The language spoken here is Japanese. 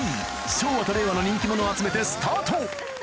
昭和と令和の人気者を集めてスタート